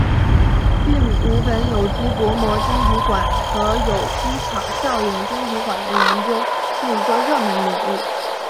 并五苯有机薄膜晶体管和有机场效应晶体管的研究是一个热门领域。